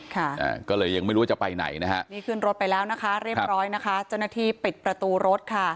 อ่าก็เลยยังไม่รู้ว่าจะไปไหนนะฮะนี่ขึ้นรถไปแล้วนะคะเรียบร้อยนะคะเจ้าหน้าที่ปิดประตูรถค่ะ